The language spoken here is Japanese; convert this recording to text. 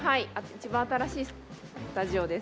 一番新しいスタジオです。